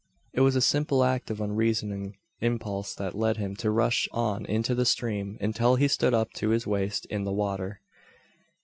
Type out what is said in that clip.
It was a simple act of unreasoning impulse that led him to rush on into the stream, until he stood up to his waist in the water.